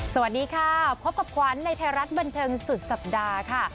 สวัสดีค่ะพบกับขวัญในไทยรัฐบันเทิงสุดสัปดาห์ค่ะ